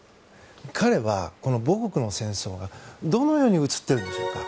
彼には母国の戦争がどのように映っているんでしょうか。